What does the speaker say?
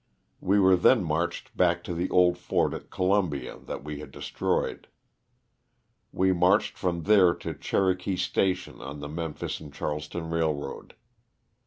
We were then marched back to the old fort at Columbia that we had destroyed. We marched from there to Chero kee Station on the Memphis and Charleston Railroad.